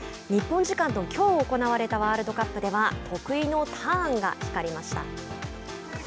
日本時間のきょう行われたワールドカップでは得意のターンが光りました。